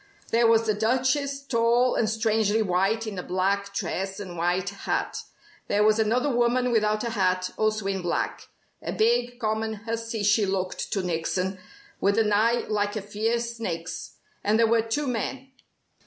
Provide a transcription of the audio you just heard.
There was the Duchess, tall and strangely white in a black dress and wide hat. There was another woman without a hat, also in black; a big, common hussy she looked to Nickson, with an eye like a fierce snake's. And there were two men.